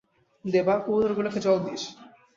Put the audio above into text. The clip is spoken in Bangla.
দেবা, কবুতরগুলো কে জল দিস।